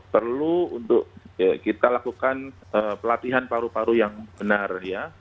perlu untuk kita lakukan pelatihan paru paru yang benar ya